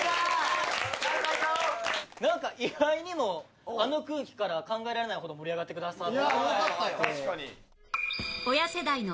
なんか意外にもあの空気からは考えられないほど盛り上がってくださって。